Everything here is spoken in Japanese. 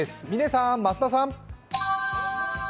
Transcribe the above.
嶺さん、増田さん。